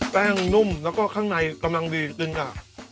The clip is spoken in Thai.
แป้งนุ่มแล้วก็ข้างในกำลังดีตึงกะ